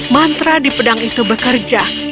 mantra di pedang itu bekerja